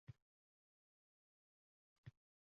Ular bilan turli ko‘rsatuvlar tayyorlashga kirishdik.